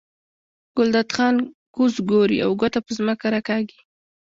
ګلداد خان کوز ګوري او ګوته په ځمکه راکاږي.